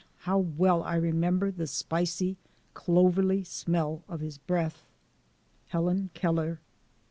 how well I remember the spicy, clovery smell of his breath! — Helen Keller.